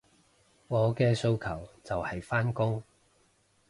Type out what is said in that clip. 我嘅訴求就係返工